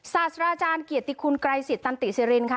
สรเกียรติคุณไกรศิษย์ตันติศิรินทร์ค่ะ